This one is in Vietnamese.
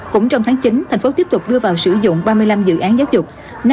cũng trong tháng chín thành phố tiếp tục đưa vào sử dụng ba mươi năm dự án giáo dục